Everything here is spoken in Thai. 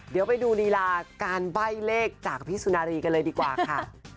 เดี๋ยวไปดูรีลาการใบ้เลขจากพี่สุนารีกันเลยดีกว่าค่ะ